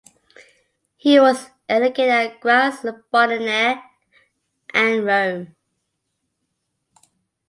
He was educated at Graz, Bologna and Rome.